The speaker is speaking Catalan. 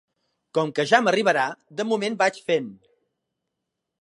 Com que ja m'arribarà, de moment vaig fent.